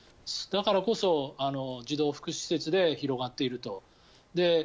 だからこそ児童福祉施設で広がっていると。